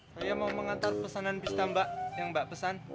saya mau mengantar pesanan bisa mbak yang mbak pesan